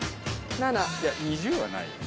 いや２０はないよ。